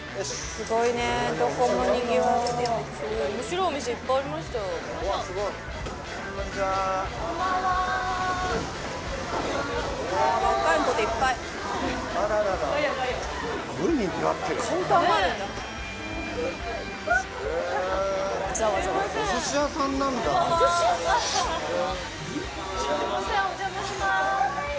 すいませんお邪魔しまーす。